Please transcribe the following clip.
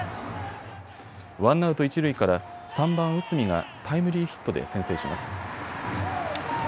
ワンアウト一塁から３番・内海がタイムリーヒットで先制します。